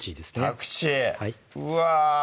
パクチーうわ！